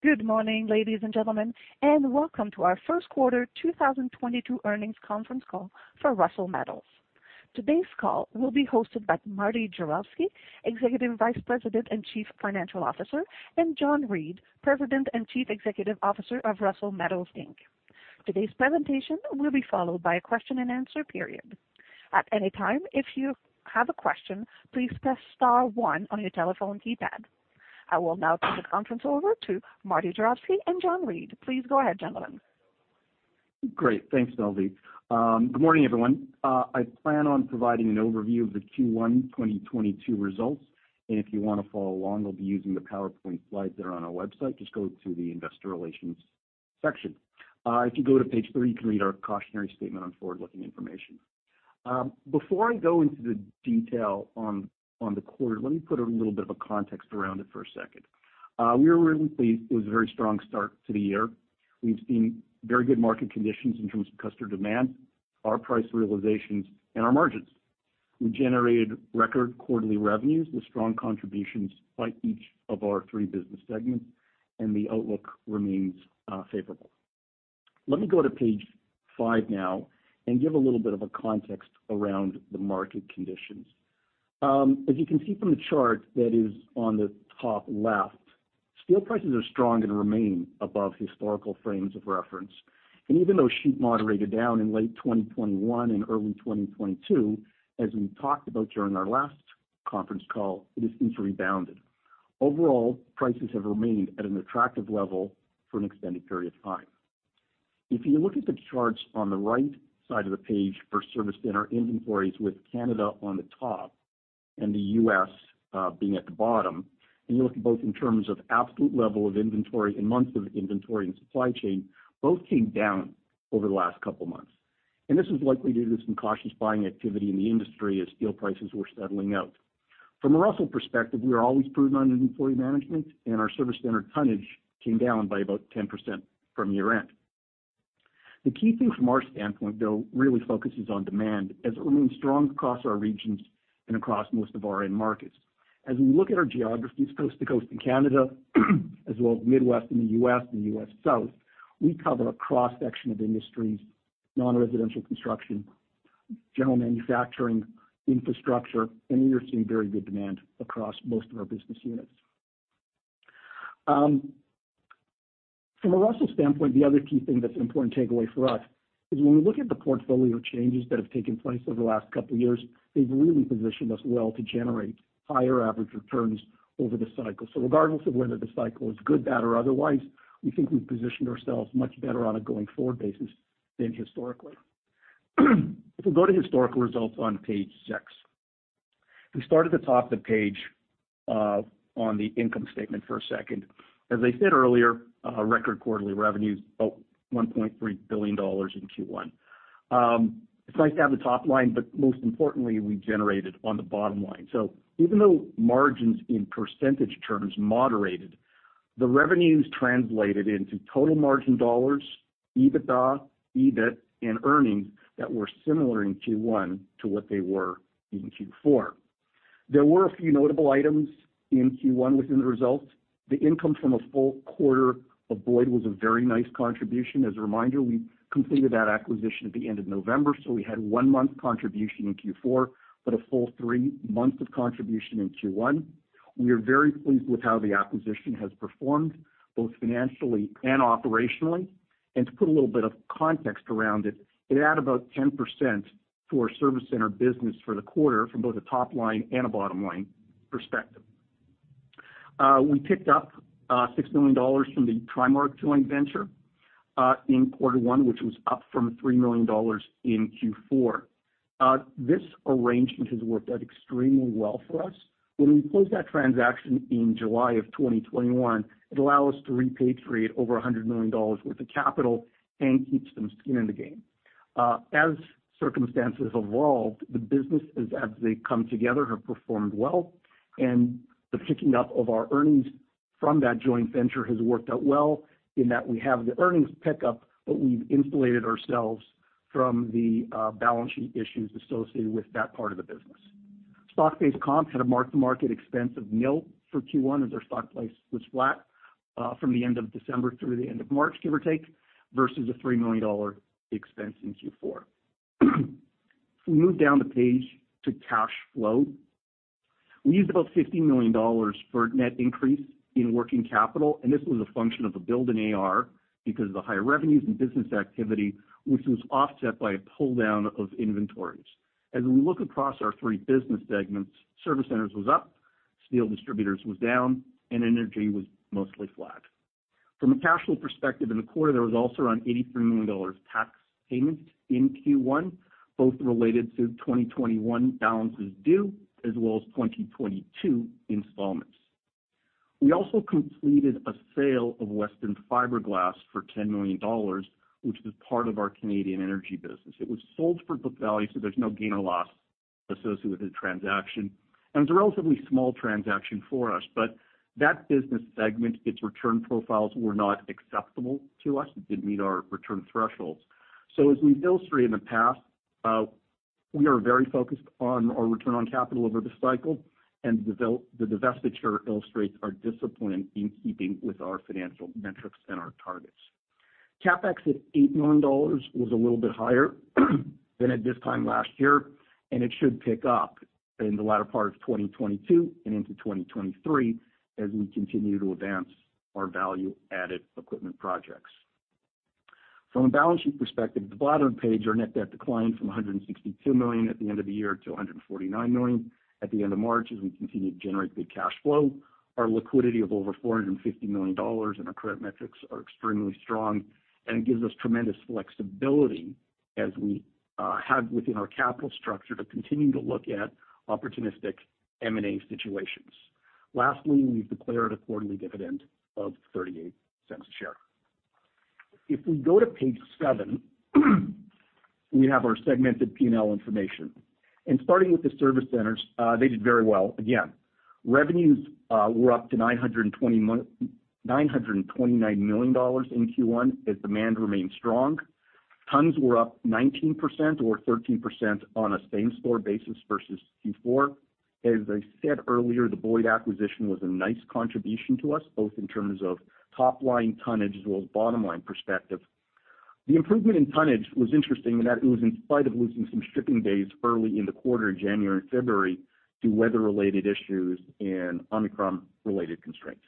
Good morning, ladies and gentlemen, and welcome to our First Quarter 2022 Earnings Conference Call for Russel Metals. Today's call will be hosted by Martin Juravsky, Executive Vice President and Chief Financial Officer, and John Reid, President and Chief Executive Officer of Russel Metals, Inc. Today's presentation will be followed by a question-and-answer period. At any time, if you have a question, please press star one on your telephone keypad. I will now turn the conference over to Martin Juravsky and John Reid. Please go ahead, gentlemen. Great. Thanks, Melody. Good morning, everyone. I plan on providing an overview of the Q1 2022 results, and if you wanna follow along, I'll be using the PowerPoint slides that are on our website. Just go to the investor relations section. If you go to page three, you can read our cautionary statement on forward-looking information. Before I go into the detail on the quarter, let me put a little bit of a context around it for a second. We were really pleased with a very strong start to the year. We've seen very good market conditions in terms of customer demand, our price realizations and our margins. We generated record quarterly revenues with strong contributions by each of our three business segments, and the outlook remains favorable. Let me go to page five now and give a little bit of a context around the market conditions. As you can see from the chart that is on the top left, steel prices are strong and remain above historical frames of reference. Even though sheet moderated down in late 2021 and early 2022, as we talked about during our last conference call, it has since rebounded. Overall, prices have remained at an attractive level for an extended period of time. If you look at the charts on the right side of the page for service center inventories with Canada on the top and the U.S., being at the bottom, and you look at both in terms of absolute level of inventory and months of inventory and supply chain, both came down over the last couple months. This is likely due to some cautious buying activity in the industry as steel prices were settling out. From a Russel perspective, we are always prudent on inventory management, and our service center tonnage came down by about 10% from year-end. The key thing from our standpoint, though, really focuses on demand as it remains strong across our regions and across most of our end markets. As we look at our geographies coast to coast in Canada, as well as Midwest in the U.S. and U.S. South, we cover a cross-section of industries, non-residential construction, general manufacturing, infrastructure, and we are seeing very good demand across most of our business units. From a Russel standpoint, the other key thing that's an important takeaway for us is when we look at the portfolio changes that have taken place over the last couple years, they've really positioned us well to generate higher average returns over the cycle. Regardless of whether the cycle is good, bad or otherwise, we think we've positioned ourselves much better on a going forward basis than historically. If we go to historical results on page six. If we start at the top of the page, on the income statement for a second. As I said earlier, record quarterly revenues, about 1.3 billion dollars in Q1. It's nice to have the top line, but most importantly, we generated on the bottom line. Even though margins in percentage terms moderated, the revenues translated into total margin dollars, EBITDA, EBIT and earnings that were similar in Q1 to what they were in Q4. There were a few notable items in Q1 within the results. The income from a full quarter of Boyd was a very nice contribution. As a reminder, we completed that acquisition at the end of November, so we had one-month contribution in Q4, but a full three months of contribution in Q1. We are very pleased with how the acquisition has performed, both financially and operationally. To put a little bit of context around it added about 10% to our service center business for the quarter from both a top line and a bottom line perspective. We picked up 6 million dollars from the TriMark joint venture in quarter one, which was up from 3 million dollars in Q4. This arrangement has worked out extremely well for us. When we closed that transaction in July of 2021, it allowed us to repatriate over 100 million dollars worth of capital and keep some skin in the game. As circumstances evolved, the businesses, as they come together, have performed well, and the picking up of our earnings from that joint venture has worked out well in that we have the earnings pickup, but we've insulated ourselves from the balance sheet issues associated with that part of the business. Stock-based comps had a mark-to-market expense of nil for Q1 as our stock price was flat from the end of December through the end of March, give or take, versus a 3 million dollar expense in Q4. If we move down the page to cash flow. We used about 50 million dollars for net increase in working capital, and this was a function of a build in AR because of the higher revenues and business activity, which was offset by a pull down of inventories. As we look across our three business segments, service centers was up, steel distributors was down, and energy was mostly flat. From a cash flow perspective, in the quarter, there was also around 83 million dollars tax payment in Q1, both related to 2021 balances due as well as 2022 installments. We also completed a sale of Apex Western Fiberglass Inc. for 10 million dollars, which was part of our Canadian energy business. It was sold for book value, so there's no gain or loss associated with the transaction, and it's a relatively small transaction for us. That business segment, its return profiles were not acceptable to us. It didn't meet our return thresholds. As we've illustrated in the past, we are very focused on our return on capital over the cycle and the divestiture illustrates our discipline in keeping with our financial metrics and our targets. CapEx at 8 million dollars was a little bit higher than at this time last year, and it should pick up in the latter part of 2022 and into 2023 as we continue to advance our value-added equipment projects. From a balance sheet perspective, at the bottom of the page, our net debt declined from 162 million at the end of the year to 149 million at the end of March, as we continue to generate good cash flow. Our liquidity of over 450 million dollars and our credit metrics are extremely strong and it gives us tremendous flexibility as we have within our capital structure to continue to look at opportunistic M&A situations. Lastly, we've declared a quarterly dividend of 0.38 per share. If we go to page seven, we have our segmented P&L information. Starting with the service centers, they did very well. Again, revenues were up to 929 million dollars in Q1 as demand remained strong. Tons were up 19% or 13% on a same store basis versus Q4. As I said earlier, the Boyd acquisition was a nice contribution to us, both in terms of top line tonnage as well as bottom line perspective. The improvement in tonnage was interesting in that it was in spite of losing some shipping days early in the quarter in January and February to weather-related issues and Omicron-related constraints.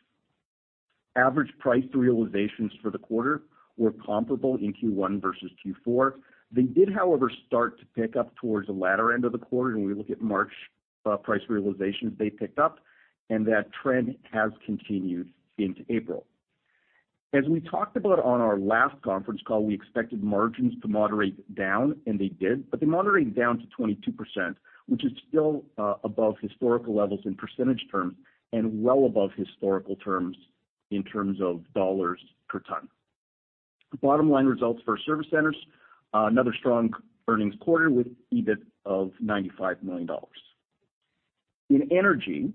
Average price realizations for the quarter were comparable in Q1 versus Q4. They did, however, start to pick up towards the latter end of the quarter. When we look at March, price realizations, they picked up, and that trend has continued into April. As we talked about on our last conference call, we expected margins to moderate down, and they did. They moderated down to 22%, which is still above historical levels in percentage terms, and well above historical terms in terms of dollars per ton. The bottom line results for service centers, another strong earnings quarter with EBIT of 95 million dollars. In energy,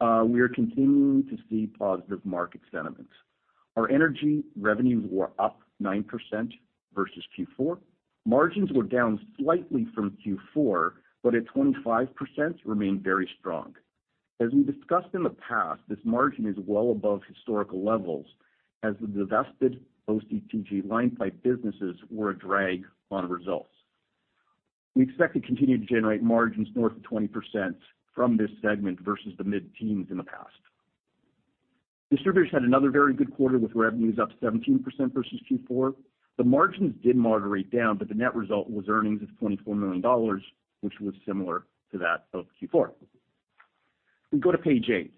we are continuing to see positive market sentiments. Our energy revenues were up 9% versus Q4. Margins were down slightly from Q4, but at 25% remain very strong. As we discussed in the past, this margin is well above historical levels as the divested OCTG line pipe businesses were a drag on results. We expect to continue to generate margins north of 20% from this segment versus the mid-teens in the past. Distributors had another very good quarter with revenues up 17% versus Q4. The margins did moderate down, but the net result was earnings of 24 million dollars, which was similar to that of Q4. We go to page eight.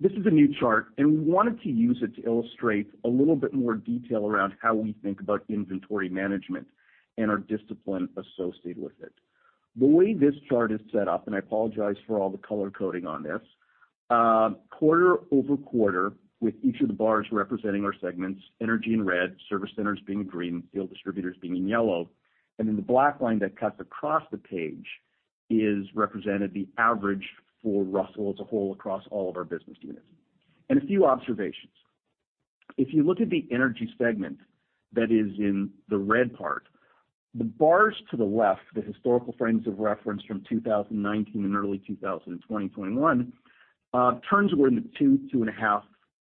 This is a new chart, and we wanted to use it to illustrate a little bit more detail around how we think about inventory management and our discipline associated with it. The way this chart is set up, and I apologize for all the color coding on this, quarter-over-quarter, with each of the bars representing our segments, energy in red, service centers being in green, steel distributors being in yellow, and then the black line that cuts across the page is represented the average for Russel as a whole across all of our business units. A few observations. If you look at the energy segment that is in the red part, the bars to the left, the historical frames of reference from 2019 and early 2020, 2021, turns were in the 2-2.5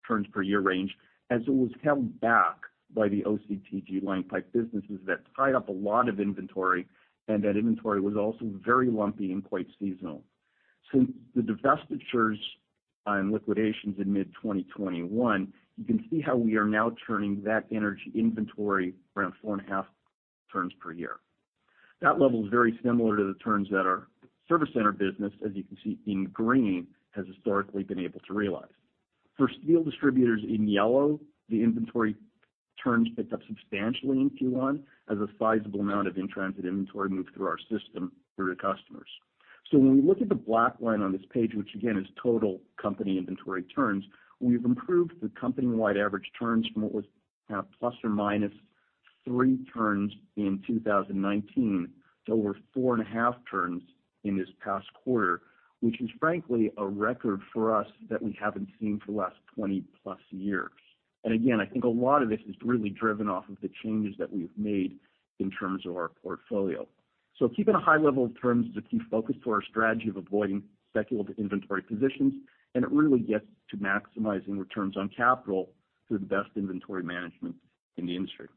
turns per year range, as it was held back by the OCTG line pipe businesses that tied up a lot of inventory, and that inventory was also very lumpy and quite seasonal. Since the divestitures and liquidations in mid-2021, you can see how we are now turning that energy inventory around 4.5 turns per year. That level is very similar to the turns that our service center business, as you can see in green, has historically been able to realize. For steel distributors in yellow, the inventory turns picked up substantially in Q1 as a sizable amount of in-transit inventory moved through our system to our customers. When we look at the black line on this page, which again is total company inventory turns, we've improved the company-wide average turns from what was plus or minus 3 turns in 2019 to over 4.5 turns in this past quarter, which is frankly a record for us that we haven't seen for the last 20-plus years. Again, I think a lot of this is really driven off of the changes that we've made in terms of our portfolio. Keeping a high level of turns is a key focus to our strategy of avoiding secular inventory positions, and it really gets to maximizing returns on capital through the best inventory management in the industry.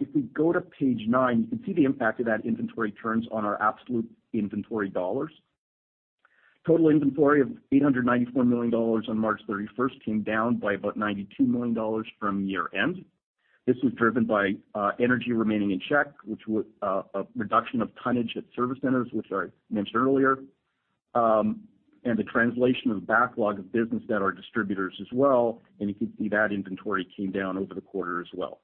If we go to page nine you can see the impact of that inventory turns on our absolute inventory dollars. Total inventory of 894 million dollars on March 31st came down by about 92 million dollars from year-end. This was driven by energy remaining in check, a reduction of tonnage at service centers, which I mentioned earlier, and the translation of backlog of business at our distributors as well, and you can see that inventory came down over the quarter as well.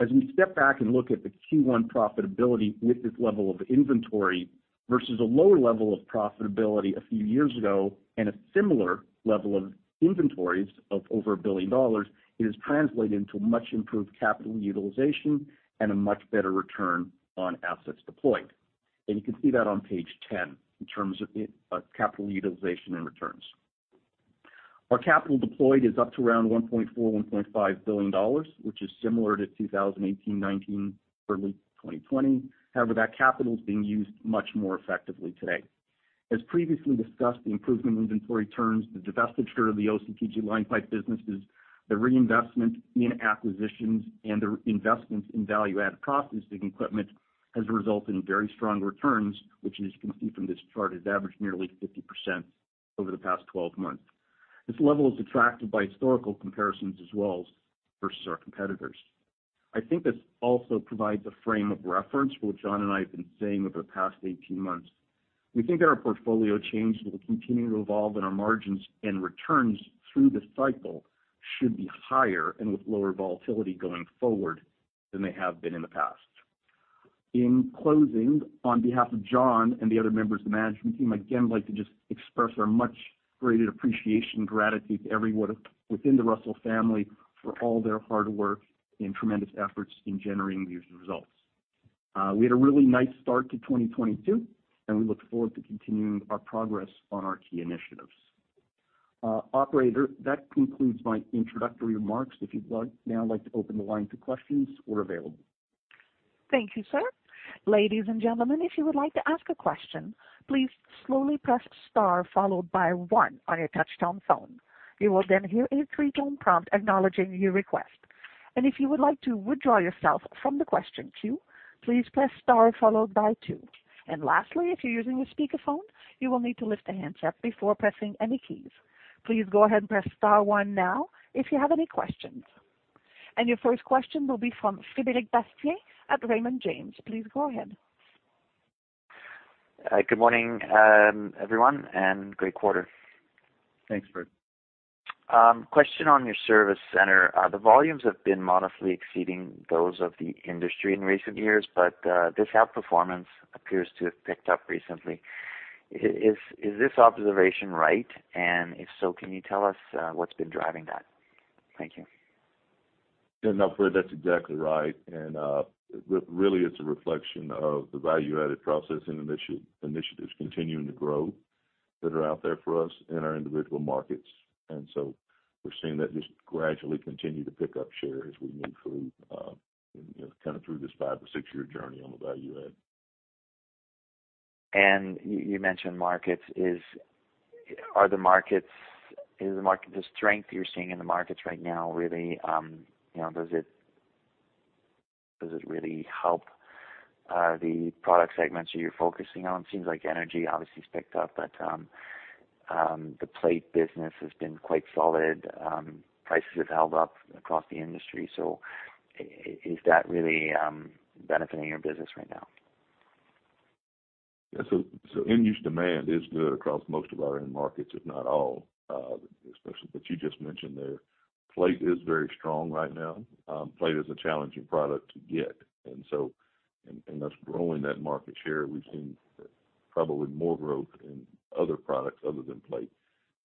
As we step back and look at the Q1 profitability with this level of inventory versus a lower level of profitability a few years ago and a similar level of inventories of over 1 billion dollars, it is translating to much improved capital utilization and a much better return on assets deployed. You can see that on page 10 in terms of the capital utilization and returns. Our capital deployed is up to around 1.4 billion-1.5 billion dollars, which is similar to 2018, 2019, early 2020. However, that capital is being used much more effectively today. As previously discussed, the improvement in inventory turns, the divestiture of the OCTG line pipe businesses, the reinvestment in acquisitions and the investments in value-added processing equipment has resulted in very strong returns, which, as you can see from this chart, has averaged nearly 50% over the past 12 months. This level is attractive by historical comparisons as well versus our competitors. I think this also provides a frame of reference for what John and I have been saying over the past 18 months. We think that our portfolio change will continue to evolve and our margins and returns through this cycle should be higher and with lower volatility going forward than they have been in the past. In closing, on behalf of John and the other members of the management team, I'd again like to just express our much greater appreciation and gratitude to everyone within the Russel family for all their hard work and tremendous efforts in generating these results. We had a really nice start to 2022, and we look forward to continuing our progress on our key initiatives. Operator, that concludes my introductory remarks. If you'd now like to open the line to questions, we're available. Thank you, sir. Ladies and gentlemen, if you would like to ask a question, please slowly press star followed by one on your touchtone phone. You will then hear a three-tone prompt acknowledging your request. If you would like to withdraw yourself from the question queue, please press star followed by two. Lastly, if you're using a speakerphone, you will need to lift the handset before pressing any keys. Please go ahead and press star one now if you have any questions. Your first question will be from Frederic Bastien at Raymond James. Please go ahead. Good morning, everyone, and great quarter. Thanks, Fred. Question on your service center. The volumes have been modestly exceeding those of the industry in recent years, but this outperformance appears to have picked up recently. Is this observation right? If so, can you tell us what's been driving that? Thank you. No, Fred, that's exactly right. Really, it's a reflection of the value-added processing initiatives continuing to grow that are out there for us in our individual markets. We're seeing that just gradually continue to pick up share as we move through kind of through this five or six-year journey on the value add. You mentioned markets. The strength you're seeing in the markets right now, really, you know, does it really help the product segments that you're focusing on? Seems like energy obviously has picked up, but the plate business has been quite solid. Prices have held up across the industry. Is that really benefiting your business right now? End-use demand is good across most of our end markets, if not all, especially that you just mentioned there. Plate is very strong right now. Plate is a challenging product to get. That's growing that market share. We've seen probably more growth in other products other than plate.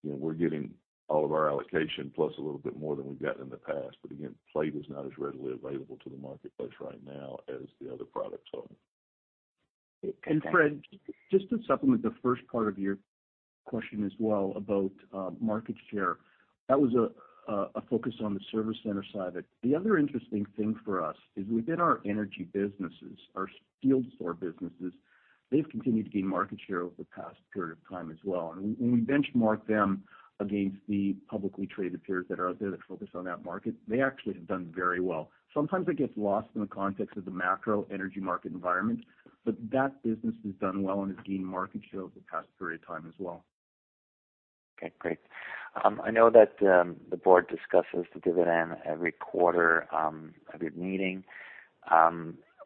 You know, we're getting all of our allocation plus a little bit more than we've gotten in the past. Again, plate is not as readily available to the marketplace right now as the other products are. Fred, just to supplement the first part of your question as well about market share. That was a focus on the service center side of it. The other interesting thing for us is within our energy businesses, our field store businesses, they've continued to gain market share over the past period of time as well. When we benchmark them against the publicly traded peers that are out there that focus on that market, they actually have done very well. Sometimes it gets lost in the context of the macro energy market environment, but that business has done well and has gained market share over the past period of time as well. Okay, great. I know that the board discusses the dividend every quarter of your meeting.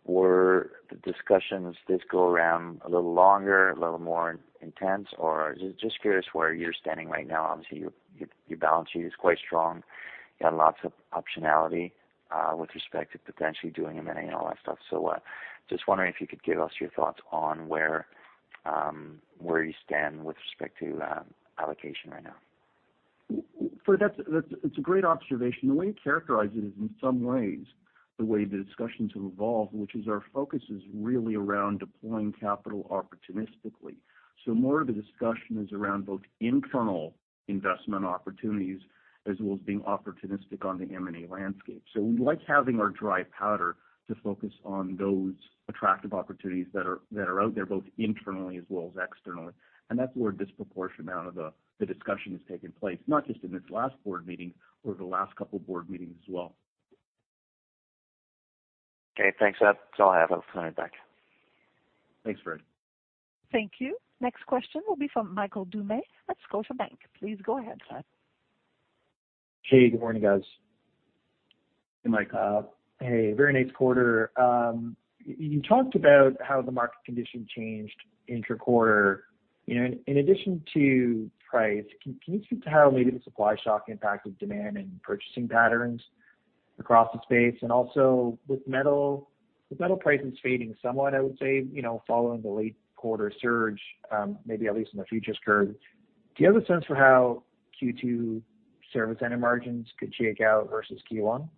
Were the discussions this go around a little longer, a little more intense, or just curious where you're standing right now. Obviously, your balance sheet is quite strong. You have lots of optionality with respect to potentially doing an M&A and all that stuff. Just wondering if you could give us your thoughts on where you stand with respect to allocation right now. Fred, that's. It's a great observation. The way you characterize it is in some ways the way the discussions have evolved, which is our focus is really around deploying capital opportunistically. More of the discussion is around both internal investment opportunities as well as being opportunistic on the M&A landscape. We like having our dry powder to focus on those attractive opportunities that are out there, both internally as well as externally. That's where a disproportionate amount of the discussion has taken place, not just in this last board meeting, over the last couple of board meetings as well. Okay, thanks. That's all I have. I'll sign it back. Thanks, Fred. Thank you. Next question will be from Michael Doumet at Scotiabank. Please go ahead, sir. Hey, good morning, guys. Hey, Mike. Hey, very nice quarter. You talked about how the market condition changed intra-quarter. You know, in addition to price, can you speak to how maybe the supply shock impacted demand and purchasing patterns across the space? Also with metal prices fading somewhat, I would say, you know, following the late quarter surge, maybe at least in the futures curve. Do you have a sense for how Q2 service center margins could shake out versus Q1?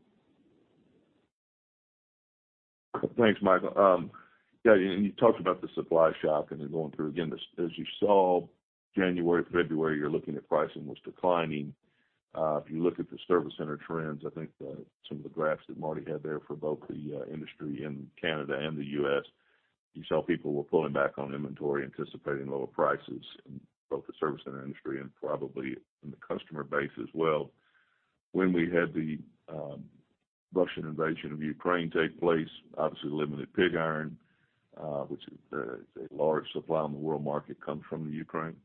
Thanks, Michael. Yeah, you talked about the supply shock and then going through again, as you saw January, February, you're looking at pricing was declining. If you look at the service center trends, I think some of the graphs that Marty had there for both the industry in Canada and the U.S., you saw people were pulling back on inventory, anticipating lower prices in both the service center industry and probably in the customer base as well. When we had the Russian invasion of Ukraine take place, obviously limited pig iron, which is a large supply on the world market, comes from the Ukraine.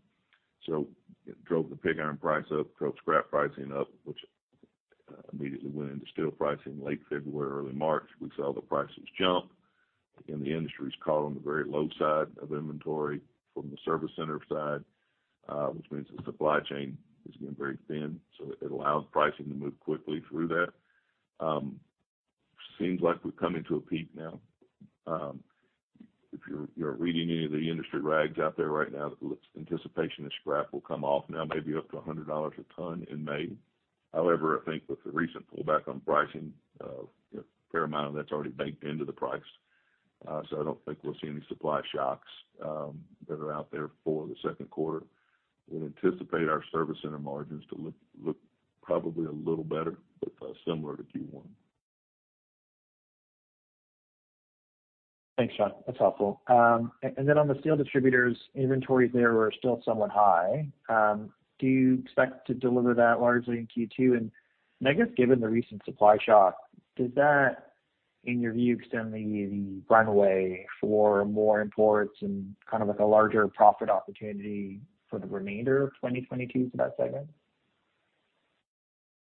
It drove the pig iron price up, drove scrap pricing up, which immediately went into steel pricing. Late February, early March, we saw the prices jump, and the industry's caught on the very low side of inventory from the service center side, which means the supply chain is getting very thin, so it allows pricing to move quickly through that. Seems like we're coming to a peak now. If you're reading any of the industry rags out there right now, anticipation that scrap will come off now maybe up to $100 a ton in May. However, I think with the recent pullback on pricing, you know, paramount, that's already baked into the price. So I don't think we'll see any supply shocks that are out there for the second quarter. We'll anticipate our service center margins to look probably a little better, but similar to Q1. Thanks, John. That's helpful. On the steel distributors, inventories there are still somewhat high. Do you expect to deliver that largely in Q2? I guess given the recent supply shock, does that, in your view, extend the runway for more imports and kind of like a larger profit opportunity for the remainder of 2022 for that segment?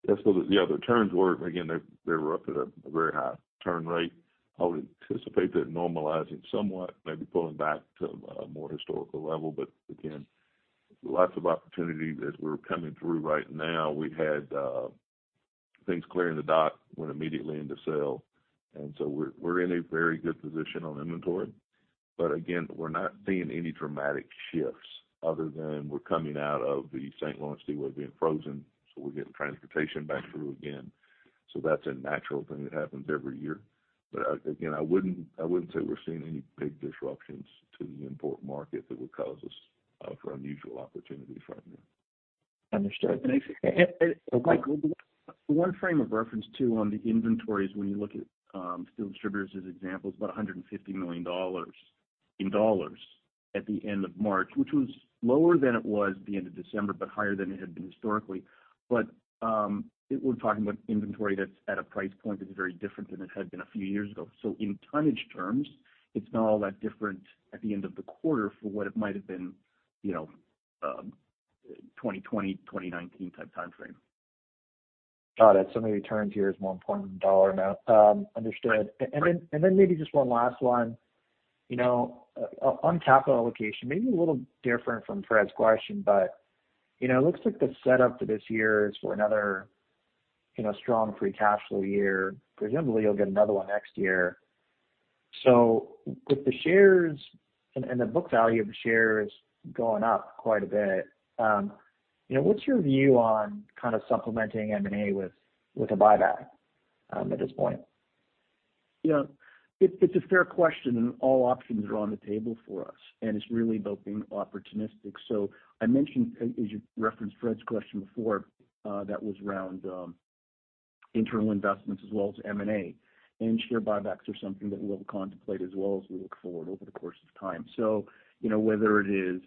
The other turns were again they were up at a very high turn rate. I would anticipate that normalizing somewhat, maybe pulling back to a more historical level. Again, lots of opportunity as we're coming through right now. We've had things clearing the dock went immediately into sales, and so we're in a very good position on inventory. Again, we're not seeing any dramatic shifts other than we're coming out of the St. Lawrence Seaway being frozen, so we're getting transportation back through again. That's a natural thing that happens every year. Again, I wouldn't say we're seeing any big disruptions to the import market that would cause us unusual opportunity from there. Understood. Thanks. Michael, the one frame of reference too on the inventories when you look at steel distributors as examples, about 150 million dollars in dollars at the end of March, which was lower than it was at the end of December, but higher than it had been historically. We're talking about inventory that's at a price point that is very different than it had been a few years ago. In tonnage terms, it's not all that different at the end of the quarter for what it might have been, you know, 2020, 2019 type timeframe. Got it. Many turns here is more important than dollar amount. Understood. Then maybe just one last one. You know, on capital allocation, maybe a little different from Fred's question, but, you know, it looks like the setup for this year is for another, you know, strong free cash flow year. Presumably, you'll get another one next year. With the shares and the book value of the shares going up quite a bit, you know, what's your view on kind of supplementing M&A with a buyback at this point? You know, it's a fair question, and all options are on the table for us, and it's really about being opportunistic. I mentioned, as you referenced Fred's question before, that was around internal investments as well as M&A. Share buybacks are something that we'll contemplate as well as we look forward over the course of time. You know, whether it is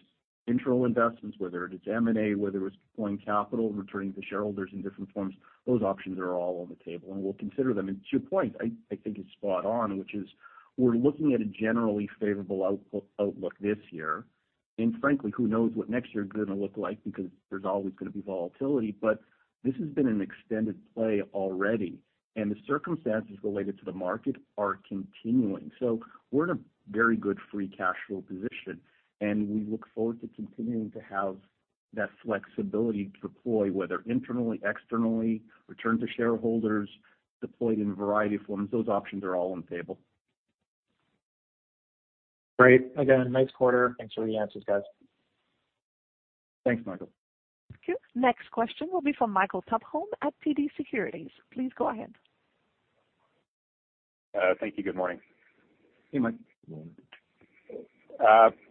internal investments, whether it is M&A, whether it's deploying capital and returning to shareholders in different forms, those options are all on the table, and we'll consider them. To your point, I think it's spot on, which is we're looking at a generally favorable outlook this year. Frankly, who knows what next year gonna look like because there's always gonna be volatility. This has been an extended play already, and the circumstances related to the market are continuing. We're in a very good free cash flow position, and we look forward to continuing to have that flexibility to deploy, whether internally, externally, return to shareholders, deployed in a variety of forms. Those options are all on the table. Great. Again, nice quarter. Thanks for the answers, guys. Thanks, Michael. Thank you. Next question will be from Michael Tupholme at TD Securities. Please go ahead. Thank you. Good morning. Hey, Mike. Good morning.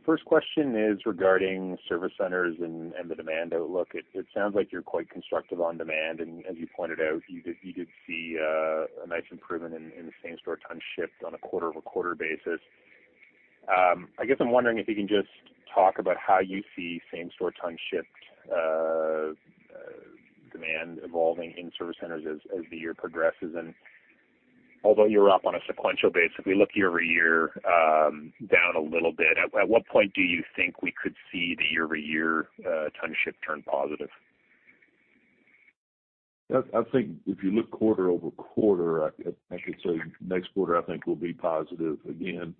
First question is regarding service centers and the demand outlook. It sounds like you're quite constructive on demand, and as you pointed out, you did see a nice improvement in the same-store ton shipped on a quarter-over-quarter basis. I guess I'm wondering if you can just talk about how you see same-store ton shipped demand evolving in service centers as the year progresses. Although you're up on a sequential basis, if we look year-over-year, down a little bit, at what point do you think we could see the year-over-year ton shipped turn positive? I think if you look quarter-over-quarter, I should say next quarter, I think we'll be positive again.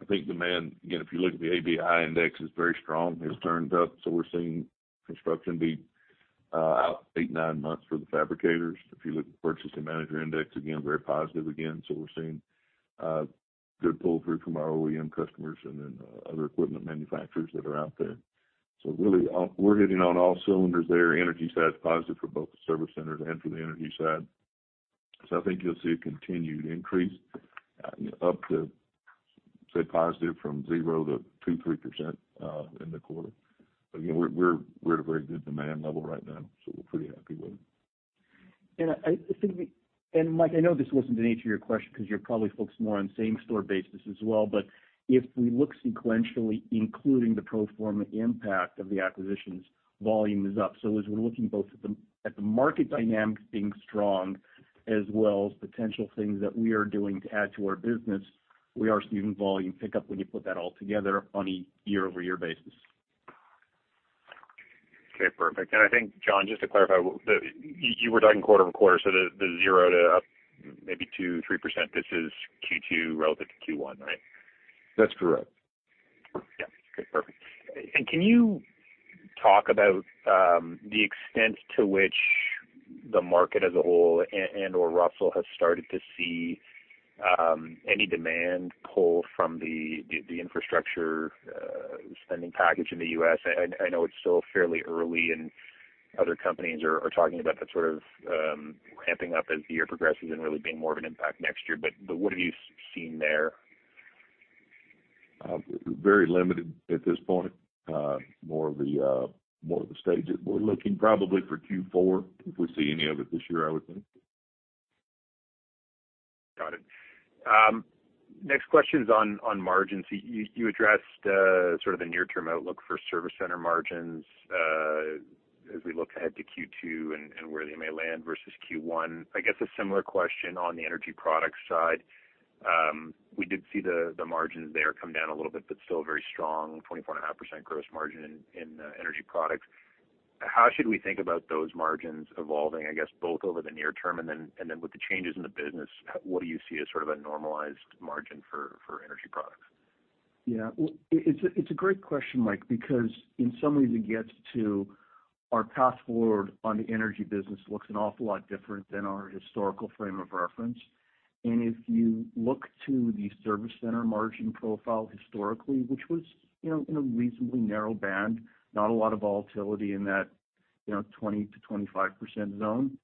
I think demand, again, if you look at the ABI index, is very strong. It's turned up, so we're seeing construction be out 8-9 months for the fabricators. If you look at Purchasing Managers' Index, again, very positive again. We're seeing good pull-through from our OEM customers and then other equipment manufacturers that are out there. Really, we're hitting on all cylinders there. Energy side's positive for both the service centers and for the energy side. I think you'll see a continued increase up to, say, positive from 0% to 2%-3% in the quarter. Again, we're at a very good demand level right now, so we're pretty happy with it. Mike, I know this wasn't the nature of your question because you're probably focused more on same-store basis as well. If we look sequentially, including the pro forma impact of the acquisitions, volume is up. As we're looking both at the market dynamics being strong as well as potential things that we are doing to add to our business, we are seeing volume pick up when you put that all together on a year-over-year basis. Okay, perfect. I think, John, just to clarify, you were talking quarter-over-quarter, so the zero to up maybe 2%-3%, this is Q2 relative to Q1, right? That's correct. Yeah. Okay, perfect. Can you talk about the extent to which the market as a whole and/or Russel has started to see any demand pull from the infrastructure spending package in the US? I know it's still fairly early, and other companies are talking about that sort of ramping up as the year progresses and really being more of an impact next year. But what have you seen there? Very limited at this point. More of the stage that we're looking probably for Q4, if we see any of it this year, I would think. Got it. Next question's on margins. You addressed sort of the near-term outlook for service center margins as we look ahead to Q2 and where they may land versus Q1. I guess a similar question on the energy products side. We did see the margins there come down a little bit, but still very strong, 24.5% gross margin in energy products. How should we think about those margins evolving, I guess, both over the near term and then with the changes in the business, what do you see as sort of a normalized margin for energy products? Yeah. Well, it's a great question, Mike, because in some ways it gets to our path forward on the energy business looks an awful lot different than our historical frame of reference. If you look to the service center margin profile historically, which was, you know, in a reasonably narrow band, not a lot of volatility in that, you know, 20%-25% zone.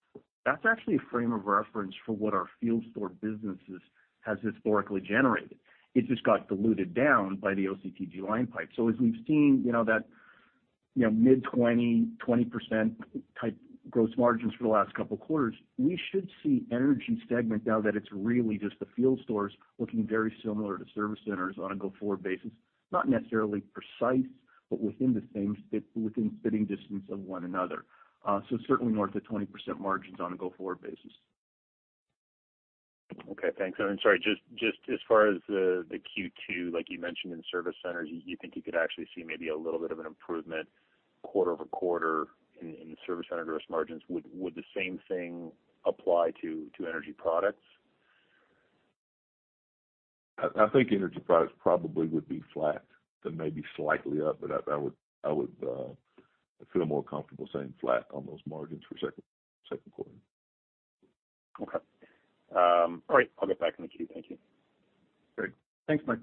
That's actually a frame of reference for what our field store businesses has historically generated. It just got diluted down by the OCTG line pipe. As we've seen, you know, that, you know, mid-20, 20% type gross margins for the last couple quarters, we should see energy segment now that it's really just the field stores looking very similar to service centers on a go-forward basis. Not necessarily precise, but within the same within spitting distance of one another. Certainly north of 20% margins on a go-forward basis. Okay, thanks. Sorry, just as far as the Q2, like you mentioned in service centers, you think you could actually see maybe a little bit of an improvement quarter-over-quarter in service centers gross margins. Would the same thing apply to energy products? I think energy products probably would be flat to maybe slightly up, but I would feel more comfortable saying flat on those margins for second quarter. Okay. All right. I'll get back in the queue. Thank you. Great. Thanks, Mike.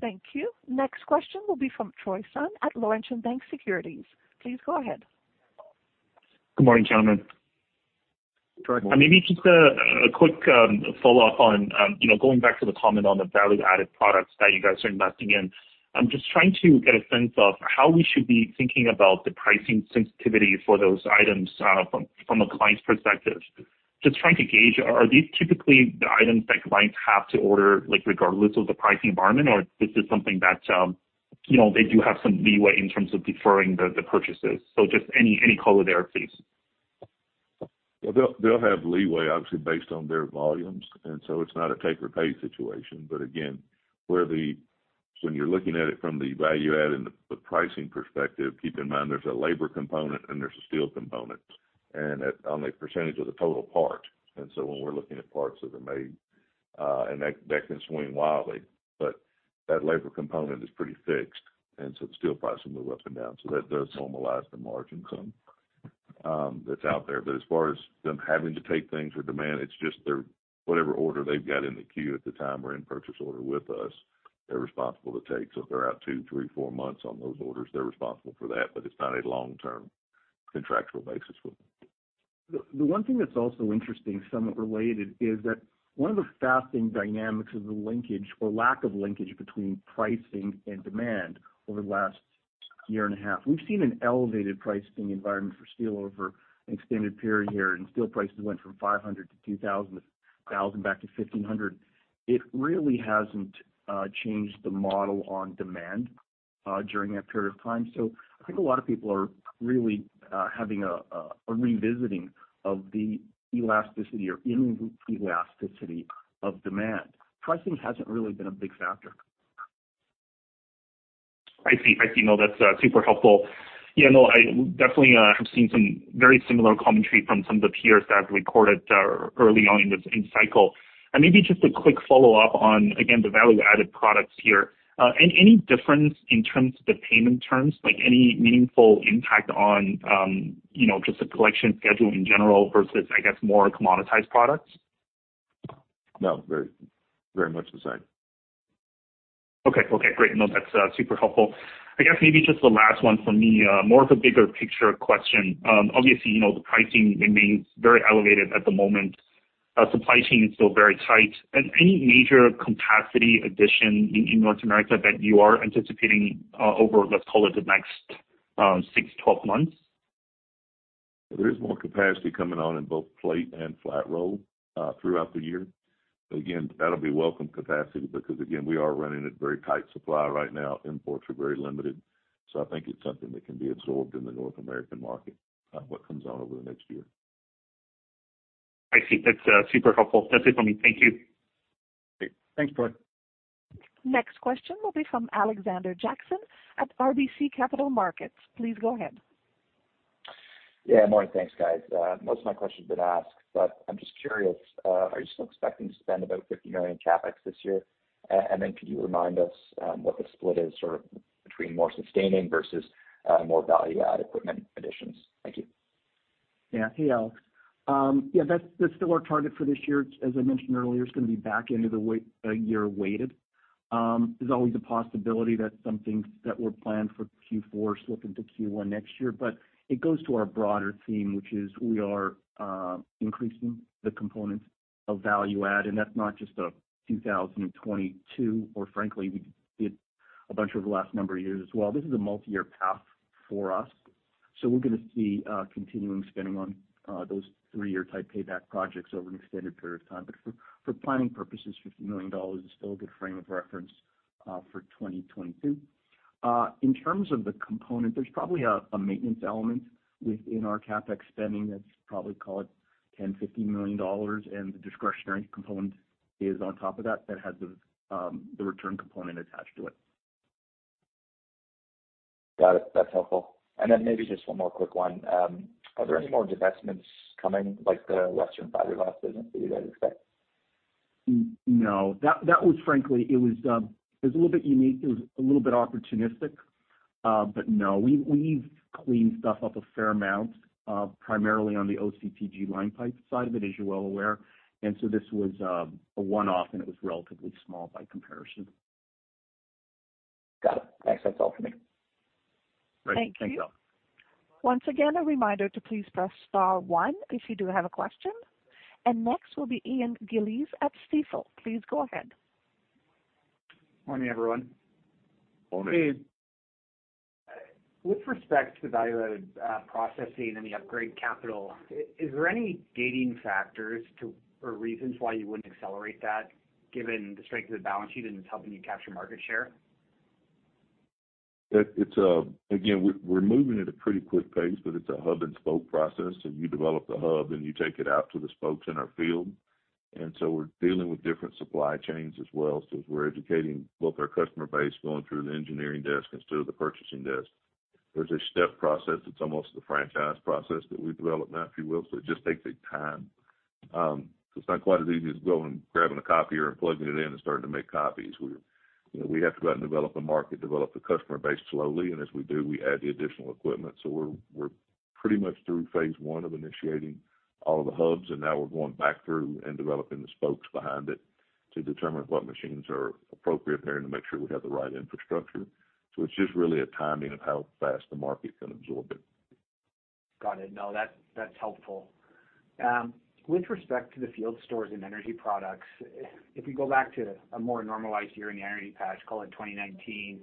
Thank you. Next question will be from Troy Sun at Laurentian Bank Securities. Please go ahead. Good morning, gentlemen. Troy. Morning. Maybe just a quick follow-up on you know, going back to the comment on the value-added products that you guys are investing in. I'm just trying to get a sense of how we should be thinking about the pricing sensitivity for those items from a client's perspective. Just trying to gauge, are these typically the items that clients have to order, like, regardless of the pricing environment, or this is something that you know, they do have some leeway in terms of deferring the purchases? Just any color there, please. Well, they'll have leeway, obviously, based on their volumes, and so it's not a take or pay situation. When you're looking at it from the value add and the pricing perspective, keep in mind there's a labor component and there's a steel component, and on a percentage of the total part. When we're looking at parts that are made, and that can swing wildly. That labor component is pretty fixed. The steel price will move up and down. That does normalize the margin some, that's out there. As far as them having to take things for demand, it's just whatever order they've got in the queue at the time or in purchase order with us, they're responsible to take. if they're out 2, 3, 4 months on those orders, they're responsible for that, but it's not a long-term contractual basis with them. One thing that's also interesting, somewhat related, is that one of the fascinating dynamics of the linkage or lack of linkage between pricing and demand over the last year and a half. We've seen an elevated pricing environment for steel over an extended period here, and steel prices went from 500 to 2,000, 1,000 back to 1,500. It really hasn't changed the model on demand during that period of time. I think a lot of people are really having a revisiting of the elasticity or inelasticity of demand. Pricing hasn't really been a big factor. I see. No, that's super helpful. Yeah, no, I definitely have seen some very similar commentary from some of the peers that recorded early on in this cycle. Maybe just a quick follow-up on, again, the value-added products here. Any difference in terms of the payment terms, like any meaningful impact on, you know, just the collection schedule in general versus, I guess, more commoditized products? No, very, very much the same. Okay. Okay, great. No, that's super helpful. I guess maybe just the last one for me, more of a bigger picture question. Obviously, you know, the pricing remains very elevated at the moment. Supply chain is still very tight. Any major capacity addition in North America that you are anticipating over, let's call it the next 6-12 months? There is more capacity coming on in both plate and flat-rolled, throughout the year. Again, that'll be welcome capacity because, again, we are running at very tight supply right now. Imports are very limited, so I think it's something that can be absorbed in the North American market on what comes out over the next year. I see. That's super helpful. That's it for me. Thank you. Great. Thanks, Troy. Next question will be from Alexander Jackson at RBC Capital Markets. Please go ahead. Yeah. Morning. Thanks, guys. Most of my questions have been asked, but I'm just curious, are you still expecting to spend about 50 million CapEx this year? Could you remind us what the split is or between more sustaining versus more value-add equipment additions? Thank you. Yeah. Hey, Alex. Yeah, that's still our target for this year. As I mentioned earlier, it's gonna be year-weighted. There's always a possibility that something we planned for Q4 slip into Q1 next year. It goes to our broader theme, which is we are increasing the components of value-add, and that's not just a 2022 or frankly, we did a bunch over the last number of years as well. This is a multiyear path for us, so we're gonna see continuing spending on those three-year type payback projects over an extended period of time. For planning purposes, 50 million dollars is still a good frame of reference for 2022. In terms of the component, there's probably a maintenance element within our CapEx spending that's probably call it 10 million-15 million dollars, and the discretionary component is on top of that that has the return component attached to it. Got it. That's helpful. Maybe just one more quick one. Are there any more divestments coming, like the Apex Western Fiberglass business, do you guys expect? No. That was frankly. It was a little bit unique. It was a little bit opportunistic. But no, we've cleaned stuff up a fair amount, primarily on the OCTG line pipe side of it, as you're well aware. This was a one-off, and it was relatively small by comparison. Got it. Thanks. That's all for me. Great. Thanks, Alex. Thank you. Once again, a reminder to please press star one if you do have a question. Next will be Ian Gillies at Stifel. Please go ahead. Morning, everyone. Morning. With respect to the value-added, processing and the upgrade capital, is there any gating factors to or reasons why you wouldn't accelerate that given the strength of the balance sheet and it's helping you capture market share? It's again. We're moving at a pretty quick pace, but it's a hub and spoke process. You develop the hub, and you take it out to the spokes in our field. We're dealing with different supply chains as well, so as we're educating both our customer base going through the engineering desk instead of the purchasing desk. There's a step process. It's almost the franchise process that we've developed now, if you will. It just takes a time. It's not quite as easy as going and grabbing a copier and plugging it in and starting to make copies. You know, we have to go out and develop the market, develop the customer base slowly, and as we do, we add the additional equipment. We're pretty much through phase one of initiating all the hubs, and now we're going back through and developing the spokes behind it to determine what machines are appropriate there and to make sure we have the right infrastructure. It's just really a timing of how fast the market can absorb it. Got it. No, that's helpful. With respect to the field stores and energy products, if we go back to a more normalized year in the energy patch, call it 2019,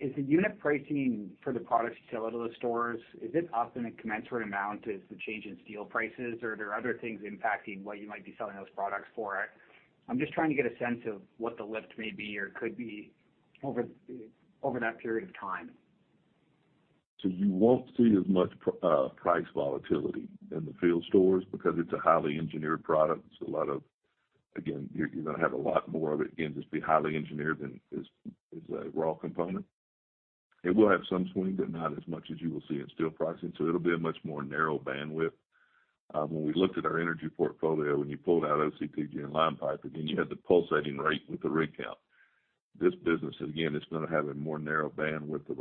is the unit pricing for the products you sell out of the stores, is it up in a commensurate amount as the change in steel prices, or are there other things impacting what you might be selling those products for? I'm just trying to get a sense of what the lift may be or could be over that period of time. You won't see as much price volatility in the field stores because it's a highly engineered product. You're gonna have a lot more of it. Again, it's more highly engineered than a raw component. It will have some swing, but not as much as you will see in steel pricing, so it'll be a much more narrow bandwidth. When we looked at our energy portfolio, when you pulled out OCTG and line pipe, again, you had the pulsating rate with the rig count. This business, again, it's gonna have a more narrow bandwidth of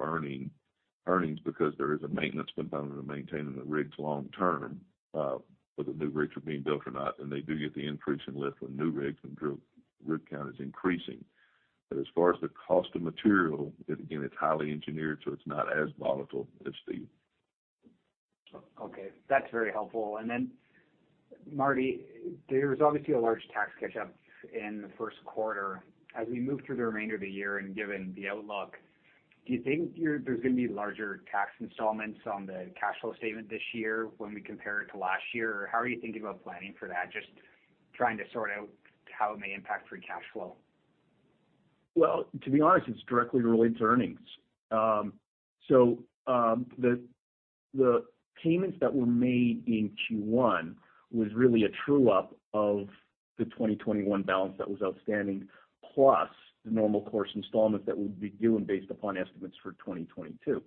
earnings because there is a maintenance component of maintaining the rigs long-term, whether new rigs are being built or not, and they do get the increase in lift when new rigs and drilling rig count is increasing. As far as the cost of material, again, it's highly engineered, so it's not as volatile as steel. Okay. That's very helpful. Then, Marty, there's obviously a large tax catch up in the first quarter. As we move through the remainder of the year and given the outlook, do you think there's gonna be larger tax installments on the cash flow statement this year when we compare it to last year? Or how are you thinking about planning for that? Just trying to sort out how it may impact free cash flow. Well, to be honest, it's directly related to earnings. The payments that were made in Q1 was really a true-up of the 2021 balance that was outstanding, plus the normal course installments that would be due and based upon estimates for 2022.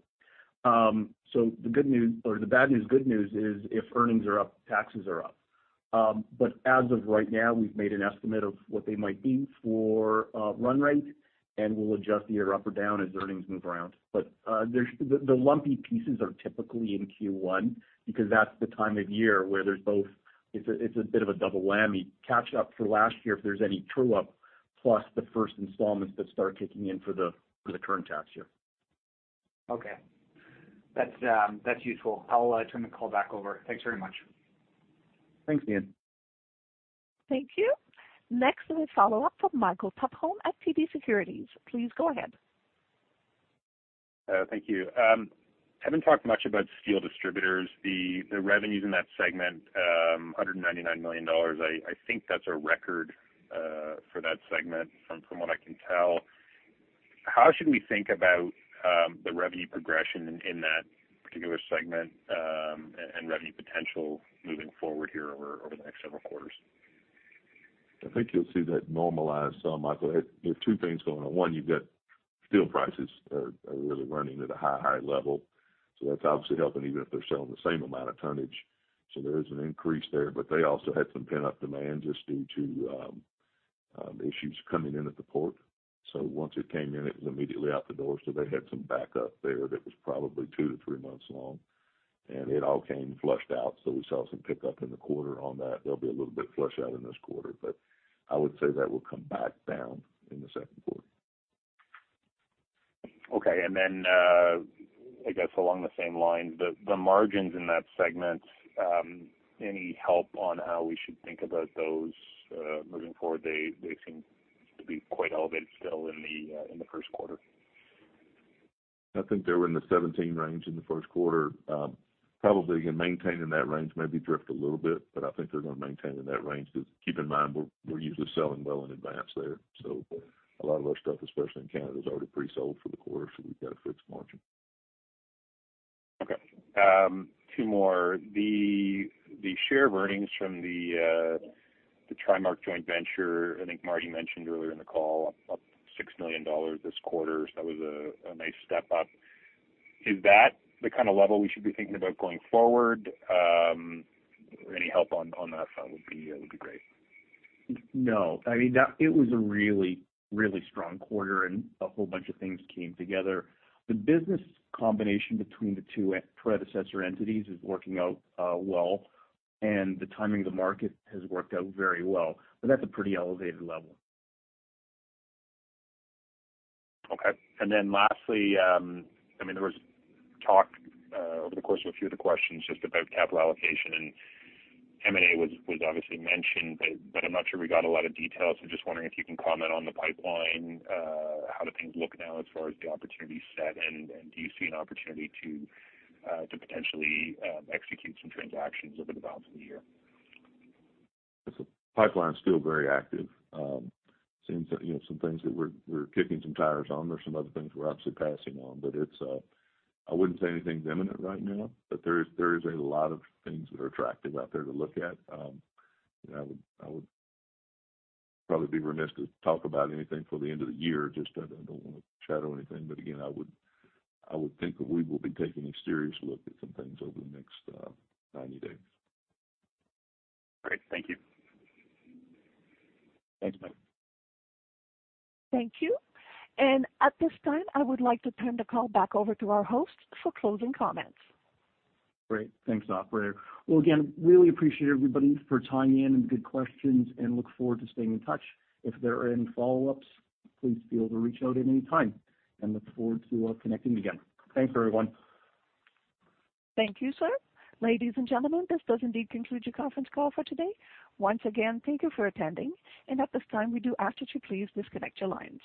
Or the bad news, good news is if earnings are up, taxes are up. As of right now, we've made an estimate of what they might be for run rate, and we'll adjust the year up or down as earnings move around. The lumpy pieces are typically in Q1 because that's the time of year where there's both. It's a bit of a double whammy, catch up for last year if there's any true-up plus the first installments that start kicking in for the current tax year. Okay. That's useful. I'll turn the call back over. Thanks very much. Thanks, Ian. Thank you. Next, we follow up from Michael Tupholme at TD Securities. Please go ahead. Thank you. Haven't talked much about steel distributors. The revenues in that segment, 199 million dollars, I think that's a record for that segment from what I can tell. How should we think about the revenue progression in that particular segment, and revenue potential moving forward here over the next several quarters? I think you'll see that'll normalize some, Michael. There are two things going on. One, you've got steel prices are really running at a high level. That's obviously helping even if they're selling the same amount of tonnage. There is an increase there. They also had some pent-up demand just due to issues coming in at the port. Once it came in, it was immediately out the door. They had some backup there that was probably 2-3 months long, and it all came flushed out. We saw some pickup in the quarter on that. There'll be a little bit flushed out in this quarter, but I would say that will come back down in the second quarter. Okay. I guess along the same lines, the margins in that segment, any help on how we should think about those, moving forward? They seem to be quite elevated still in the first quarter. I think they were in the 17% range in the first quarter. Probably can maintain in that range, maybe drift a little bit, but I think they're gonna maintain in that range. Because keep in mind, we're usually selling well in advance there. A lot of our stuff, especially in Canada, is already pre-sold for the quarter, so we've got a fixed margin. Okay. Two more. The share of earnings from the TriMark joint venture, I think Marty mentioned earlier in the call, up 6 million dollars this quarter. That was a nice step up. Is that the kind of level we should be thinking about going forward? Any help on that front would be great. No. I mean, it was a really, really strong quarter, and a whole bunch of things came together. The business combination between the two predecessor entities is working out well, and the timing of the market has worked out very well. That's a pretty elevated level. Okay. Lastly, I mean, there was talk over the course of a few of the questions just about capital allocation, and M&A was obviously mentioned, but I'm not sure we got a lot of details. Just wondering if you can comment on the pipeline. How do things look now as far as the opportunity set? And do you see an opportunity to potentially execute some transactions over the balance of the year? The pipeline's still very active. Seems, you know, some things that we're kicking some tires on. There's some other things we're absolutely passing on. It's, I wouldn't say anything's imminent right now. There is a lot of things that are attractive out there to look at. You know, I would probably be remiss to talk about anything for the end of the year just because I don't want to shadow anything. Again, I would think that we will be taking a serious look at some things over the next 90 days. Great. Thank you. Thanks, Mike. Thank you. At this time, I would like to turn the call back over to our host for closing comments. Great. Thanks, operator. Well, again, really appreciate everybody for turning in and good questions and look forward to staying in touch. If there are any follow-ups, please feel free to reach out at any time, and look forward to connecting again. Thanks, everyone. Thank you, sir. Ladies and gentlemen, this does indeed conclude your conference call for today. Once again, thank you for attending. At this time, we do ask that you please disconnect your lines.